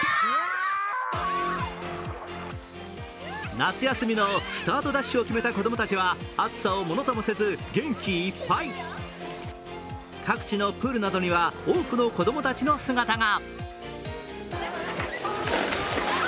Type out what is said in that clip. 夏休みのスタートダッシュを決めた子供たちは暑さをものともせず、元気いっぱい各地のプールなどには多くの子供たちの姿が。